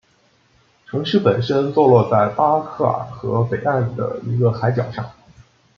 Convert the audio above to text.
城市本身坐落在巴克尔河北岸的一个海角上。